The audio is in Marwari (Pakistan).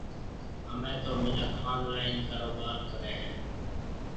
ھميَ تو منک آن لائن ڪاروبار ڪرَي ھيََََ